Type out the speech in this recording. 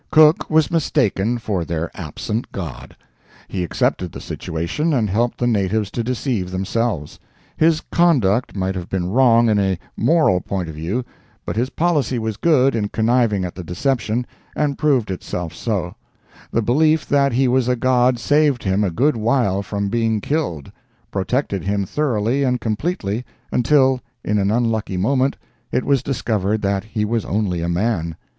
Cook was mistaken for their absent god; he accepted the situation and helped the natives to deceive themselves. His conduct might have been wrong in a moral point of view, but his policy was good in conniving at the deception, and proved itself so; the belief that he was a god saved him a good while from being killed—protected him thoroughly and completely, until, in an unlucky moment, it was discovered that he was only a man.